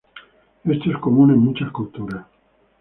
Esto es común en muchas culturas.